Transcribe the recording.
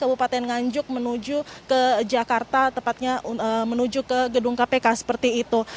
kabupaten nganjuk menuju ke jakarta tepatnya menuju ke gedung kpk seperti itu